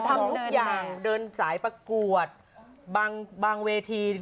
อายุดยี่สิบสี่